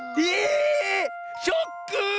ショック！